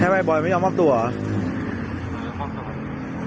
แม้ว่าบอยไม่ยอมมอบตัวเหรอ